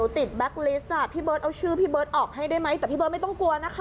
ที่เบิร์ดเอาชื่อพี่เบิร์ดออกให้ได้ไหมแต่พี่เบิร์ดไม่ต้องกลัวนะคะ